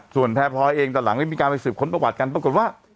ส่วนแพรพลอยเองตอนหลังได้มีการไปสืบค้นประวัติกันปรากฏว่า